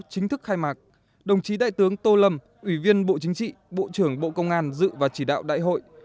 chính thức khai mạc đồng chí đại tướng tô lâm ủy viên bộ chính trị bộ trưởng bộ công an dự và chỉ đạo đại hội